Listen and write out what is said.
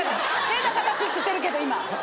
「変な形」っつってるけど今。